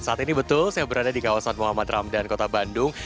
saat ini betul saya berada di kawasan muhammad ramdan kota bandung